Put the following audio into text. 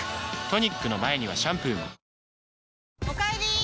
トニックの前にはシャンプーもおかえり！